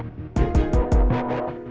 untuk memper dual with fire